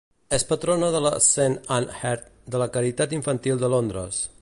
És patrona de la Scene and Heard de la Caritat infantil de Londres.